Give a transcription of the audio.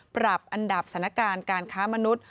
ปรับอันดับสถานการณ์การค้ามนุษย์